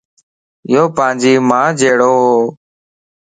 يو پانجي مان جھڙووَ